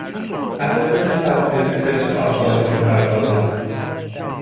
ادبیات تطبیقی به چه مسائلی می پردازد: